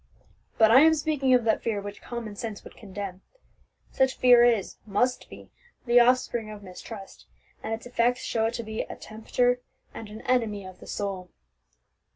But I am speaking of that fear which common sense would condemn. Such fear is, must be, the offspring of mistrust, and its effects show it to be a tempter and an enemy of the soul."